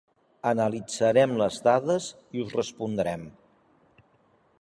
Analitzarem les dades i us respondrem.